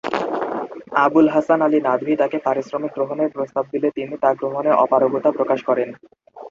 আবুল হাসান আলী নদভী তাকে পারিশ্রমিক গ্রহণের প্রস্তাব দিলে তিনি তা গ্রহণে অপারগতা প্রকাশ করেন।